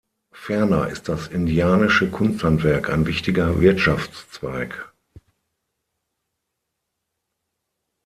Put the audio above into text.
Ferner ist das indianische Kunsthandwerk ein wichtiger Wirtschaftszweig.